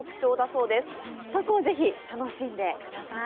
そこをぜひ、楽しんでください。